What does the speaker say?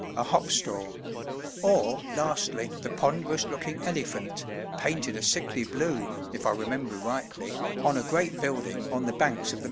a hop store; or, lastly, the ponderous looking elephant, painted a sickly blue, if I remember rightly, on a great building on the banks of the Medway.